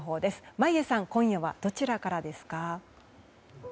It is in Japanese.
眞家さん今夜はどちらからですか？